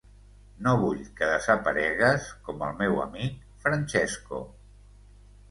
No vull que desaparegues com el meu amic Francesco.